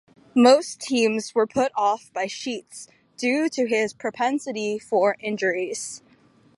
Most teams were put off by Sheets due to his propensity for injuries.